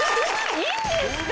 いいんですか？